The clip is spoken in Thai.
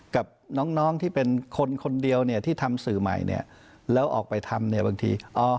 กับน้องที่เป็นคนคนเดียวที่ทำสื่อใหม่แล้วออกไปทำบางที